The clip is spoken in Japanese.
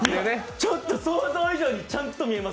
ちょっと想像以上にちゃんと見えます。